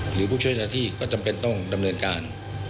หรือผู้ช่วยหน้าที่ก็จำเป็นต้องดำเนินการ